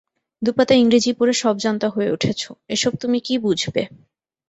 দুপাতা ইংরেজি পড়ে সবজান্তা হয়ে উঠেছ, এসব তুমি কী বুঝবে?